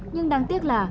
nhưng đáng tiếc là